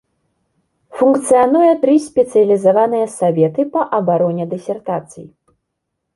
Функцыянуе тры спецыялізаваныя саветы па абароне дысертацый.